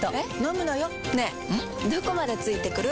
どこまで付いてくる？